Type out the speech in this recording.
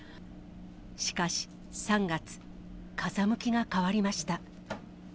しかし、３月、風向きが変わりました。